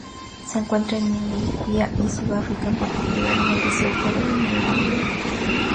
Se encuentra en Namibia y Sudáfrica, en particular en el Desierto de Namibia.